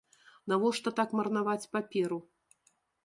Навошта так марнаваць паперу?